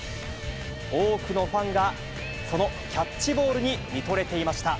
多くのファンがそのキャッチボールに見とれていました。